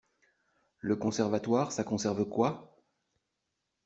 Le conservatoire, ça conserve quoi?